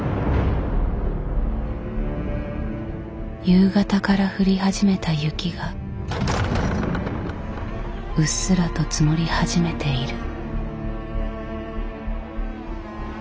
夕方から降り始めた雪がうっすらと積もり始めている。